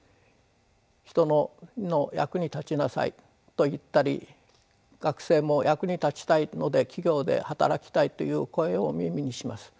「人の役に立ちなさい」と言ったり学生も「役に立ちたいので企業で働きたい」と言う声を耳にします。